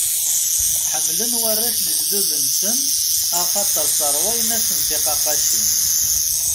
Ḥemmlen warrac lejdud-nsen axaṭer sserwayen-asen tiqaqqacin.